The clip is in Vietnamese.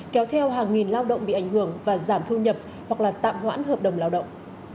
kéo theo hàng nghìn lao động bị ảnh hưởng và giảm thu nhập hoặc là tạm hoãn hợp đồng lao động